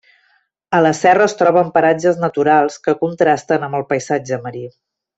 A la serra es troben paratges naturals, que contrasten amb el paisatge marí.